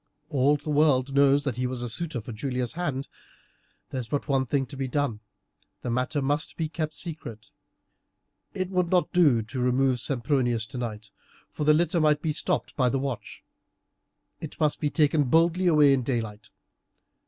All the world knows that he was a suitor for Julia's hand. There's but one thing to be done; the matter must be kept secret. It would not do to try and remove Sempronius tonight, for the litter might be stopped by the watch; it must be taken boldly away in daylight.